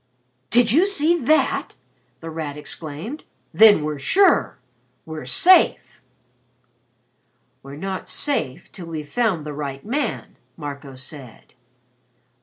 "Did you see that!" The Rat exclaimed. "Then we're sure! We're safe!" "We're not safe till we've found the right man," Marco said.